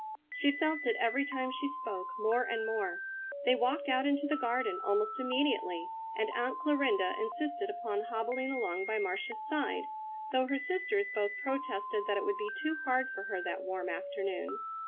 She felt it every time she spoke, more and more. They walked out into the garden almost immediately, and Aunt Clarinda insisted upon hobbling along by Marcia's side, though her sisters both protested that it would be too hard for her that warm afternoon.